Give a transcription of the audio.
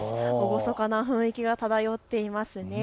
厳かな雰囲気が漂っていますね。